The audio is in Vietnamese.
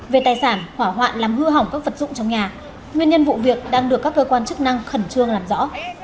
về tài sản hỏa hoạn làm hư hỏng các vật dụng trong nhà nguyên nhân vụ việc đang được các cơ quan chức năng khẩn trương làm rõ